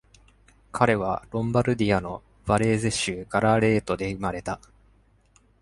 彼は、ロンバルディアのヴァレーゼ州ガラレートで生まれた。